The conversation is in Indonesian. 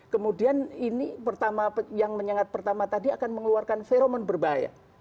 kemudian ini yang menyengat pertama tadi akan mengeluarkan feromen berbahaya